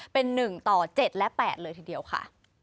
เป็นหนึ่งต่อเจ็ดและแปดเลยทีเดียวค่ะ